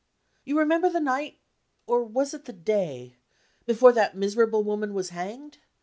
You remember the night or was it the day? before that miserable woman was hanged?